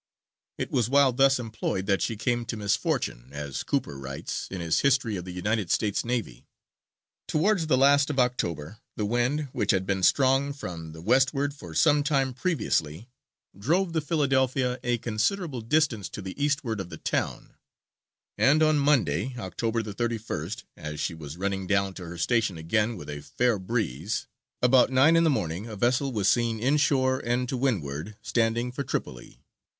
It was while thus employed that she came to misfortune, as Cooper writes, in his History of the United States Navy: "Towards the last of October the wind, which had been strong from the westward for some time previously, drove the Philadelphia a considerable distance to the eastward of the town, and on Monday, October the 31st, as she was running down to her station again with a fair breeze, about nine in the morning a vessel was seen inshore and to windward, standing for Tripoli.